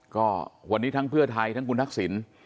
ก็วันนี้ทั้งเพื่อไทยทั้งคุณทักษิณ